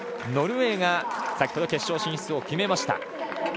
ノルウェーが先ほど決勝進出を決めました。